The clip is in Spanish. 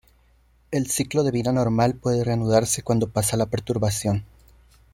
El ciclo de vida normal puede reanudarse cuando pasa la perturbación.